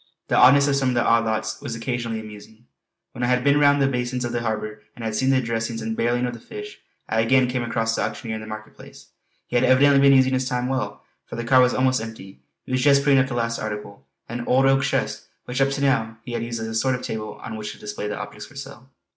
The oddness of some of the odd lots was occasionally amusing. When I had been round the basins of the harbour and had seen the dressings and barrelling of the fish, I again came across the auctioneer in the market place. He had evidently been using his time well, for the cart was almost empty. He was just putting up the last article, an old oak chest which up to now he had used as a sort of table on which to display the object for sale.